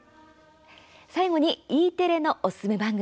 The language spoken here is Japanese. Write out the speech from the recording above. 最後にＥテレのおすすめ番組。